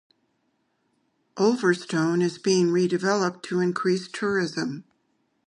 Ulverstone is being redeveloped to increase tourism.